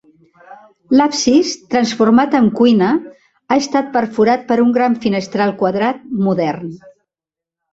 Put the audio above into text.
L'absis, transformat en cuina, ha estat perforat per un gran finestral quadrat, modern.